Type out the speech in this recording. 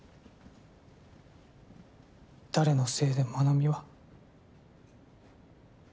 誰のせいで真奈美は。